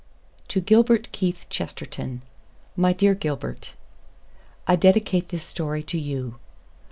TO GILBERT KEITH CHESTERTON My dear Gilbert: I dedicate this story to you.